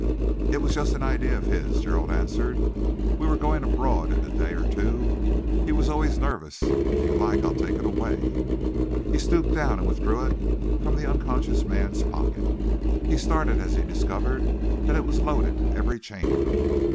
"It was just an idea of his," Gerald answered. "We were going abroad in a day or two. He was always nervous. If you like, I'll take it away." He stooped down and withdrew it from the unconscious man's pocket. He started as he discovered that it was loaded in every chamber.